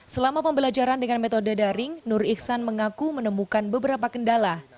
selama pembelajaran dengan metode daring nur iksan mengaku menemukan beberapa kendala